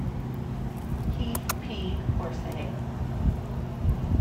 Heath, P. Horsehay.